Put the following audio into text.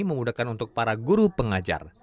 memudahkan untuk para guru pengajar